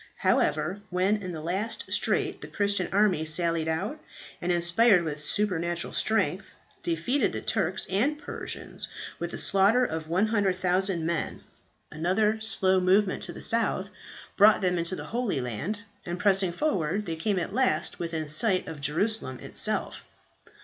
However, when in the last strait the Christian army sallied out, and inspired with supernatural strength, defeated the Turks and Persians, with a slaughter of 100,000 men. Another slow movement to the south brought them into the Holy Land, and pressing forward, they came at last within sight of Jerusalem itself.